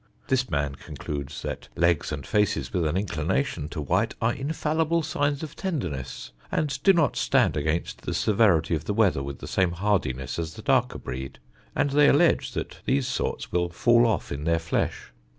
This man concludes that legs and faces with an inclination to white are infallible signs of tenderness, and do not stand against the severity of the weather with the same hardiness as the darker breed; and they allege that these sorts will fall off in their flesh.